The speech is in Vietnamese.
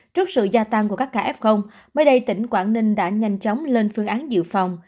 trước sự gia tăng của các k f mới đây tỉnh quảng ninh đã nhanh chóng lên phương án dự phòng